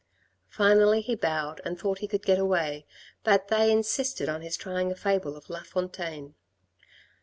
Finally he bowed and thought he could get away ; but they insisted on his trying a fable of La Fontaine.